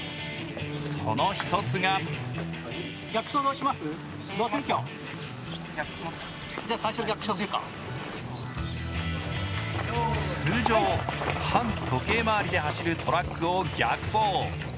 その一つが通常、反時計回りで走るトラックを逆走。